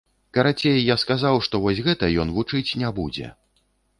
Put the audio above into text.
Карацей, я сказаў, што вось гэта ён вучыць не будзе.